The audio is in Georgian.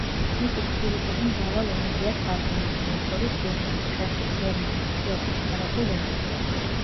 მისი თხზულებები მრავალ ენაზეა თარგმნილი, მათ შორის რუსულ, ჩეხურ, გერმანულ, შვედურ, არაბულ ენებზე.